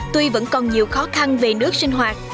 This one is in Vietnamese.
tuy vẫn còn nhiều khó khăn về nước sinh hoạt